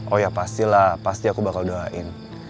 oh ya pastilah pasti aku bakal doain